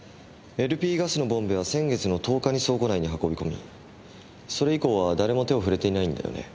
ＬＰガスのボンベは先月の１０日に倉庫内に運び込みそれ以降は誰も手を触れていないんだよね？